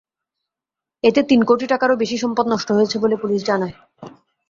এতে তিন কোটি টাকারও বেশি সম্পদ নষ্ট হয়েছে বলে পুলিশ জানায়।